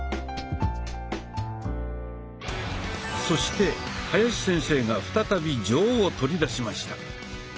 そして林先生が再び杖を取り出しました。